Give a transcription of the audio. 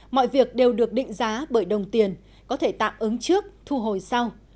mọi việc đều được định giá bởi đồng tiền có thể tạm ứng trước thu hồi sau